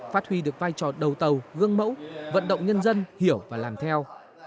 phát huy được vai trò đầu tàu gương mẫu vận động nhân dân hiểu và làm theo